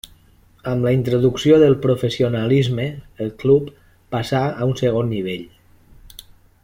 Amb la introducció del professionalisme el club passà a un segon nivell.